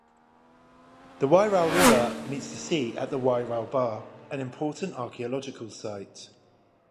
The Wairau River meets the sea at the Wairau Bar, an important archaeological site.